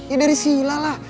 ya dari sila lah